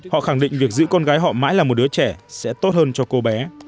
họ khẳng định việc giữ con gái họ mãi là một đứa trẻ sẽ tốt hơn cho cô bé